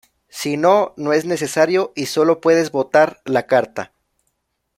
Sino, no es necesario y solo puedes botar la carta.